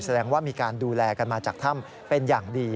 แสดงว่ามีการดูแลกันมาจากถ้ำเป็นอย่างดี